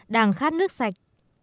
đang khát nước sạch